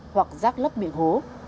hoặc rác lấp miệng hố